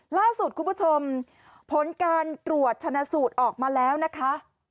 ล่าสุดคุณผู้ชมผลการตรวจชนะสูตรออกมาแล้วนะคะ